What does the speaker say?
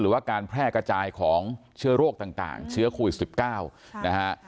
หรือว่าการแพร่กระจายของเชื้อโรคต่างเชื้อโควิด๑๙นะฮะ